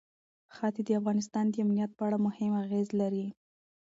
ښتې د افغانستان د امنیت په اړه هم اغېز لري.